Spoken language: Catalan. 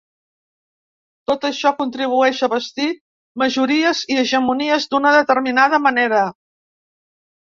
Tot això contribueix a bastir majories i hegemonies d’una determinada manera.